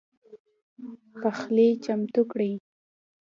پخلی چمتو کړئ